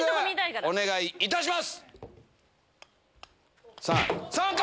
お願いいたします。